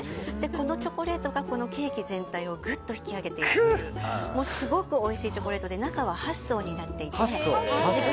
このチョコレートがケーキ全体をぐっと引き上げていてすごくおいしいチョコレートで中は８層になっていて。